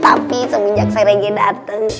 tapi semenjak celege dateng